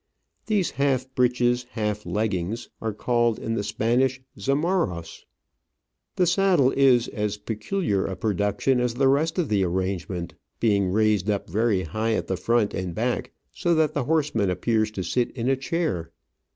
These half breeches, half leggings, are called in the Spanish zamarros. The saddle is as peculiar a production as the rest of the arrangement, being raised up very high at the front and back, so that the horseman appears to sit in a chair.